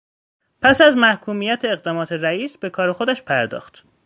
پس از محکومیت اقدامات رییس، به کار خودش پرداخت